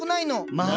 まあ！